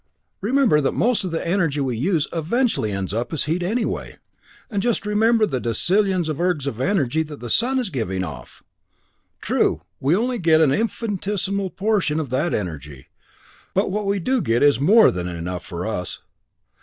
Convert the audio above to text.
Remember that most of the energy we use eventually ends up as heat anyway. And just remember the decillions of ergs of energy that the sun is giving off! True, we only get an infinitesimal portion of that energy but what we do get is more than enough for us.